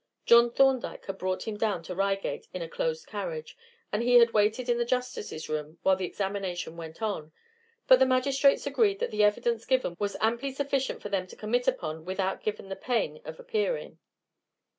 John Thorndyke had brought him down to Reigate in a closed carriage, and he had waited in the justices' room while the examination went on; but the magistrates agreed that the evidence given was amply sufficient for them to commit upon without given him the pain of appearing.